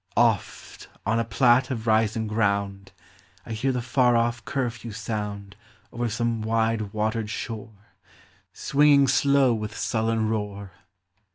Oft, on a plat of rising ground, I hear the far off curfew sound Over some wide watered shore, Swinging slow with sullen roar; 254 POEMS OF SEXTIMENT.